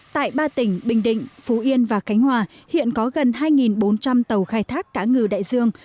tại ba tỉnh bình định phú yên và khánh hòa hiện có gần hai bốn trăm linh tàu khai thác cá ngừ đại dương